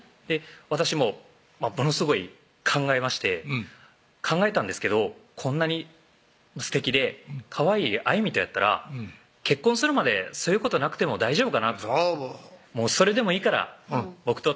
私もものすごい考えまして考えたんですけどこんなにすてきでかわいい愛実とやったら結婚するまでそういうことなくても大丈夫かなってそう「それでもいいから僕とつきあってください」